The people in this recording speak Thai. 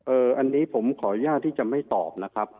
อันนี้ผมขออนุญาตที่จะไม่ตอบนะครับ